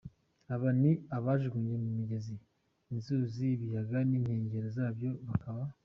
Aba ni abajugunywe mu migezi, inzuzi, ibiyaga n’inkengero zabyo, bakaba.